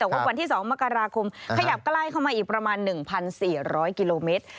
แต่ว่าวันที่๒มกราคมขยับใกล้เข้ามาอีกประมาณ๑๔๐๐กิโลเมตร